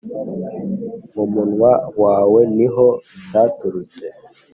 mumunwa wawe niho byaturutse